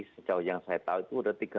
sejauh yang saya tahu itu sudah